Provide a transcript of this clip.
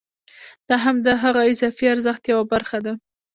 دا هم د هغه اضافي ارزښت یوه برخه ده